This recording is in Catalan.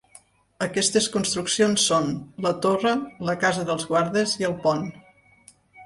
Aquestes construccions són: la Torre, la Casa dels Guardes i el Pont.